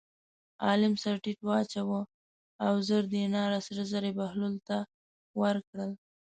عالم سر ټیټ واچاوه او زر دیناره سره زر یې بهلول ته ورکړل.